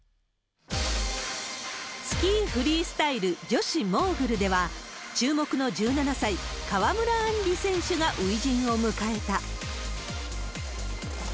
スキーフリースタイル女子モーグルでは、注目の１７歳、川村あんり選手が初陣を迎えた。